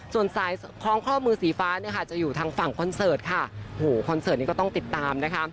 ส่วนสายคล้องข้อมือสีฟ้าเนี่ยค่ะจะอยู่ทางฝั่งคอนเสิร์ตค่ะโหคอนเสิร์ตนี้ก็ต้องติดตามนะคะ